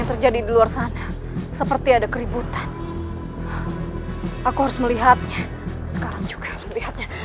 aku harus melihatnya sepertinya ada yang mengejutkan aku dan kemudian aku melihatnya